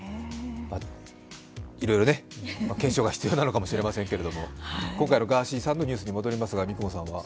いろいろ検証が必要なのかもしれませんけれども、今回のガーシーさんのニュースに戻りますが、三雲さんは？